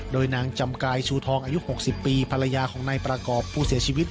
โดยนางจำกายชูทองอายุ๖๐ปีภรรยาของนายประกอบผู้เสียชีวิต